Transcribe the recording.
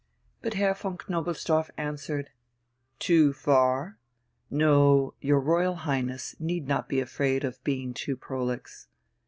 But Herr von Knobelsdorff answered: "Too far? No, your Royal Highness need not be afraid of being too prolix.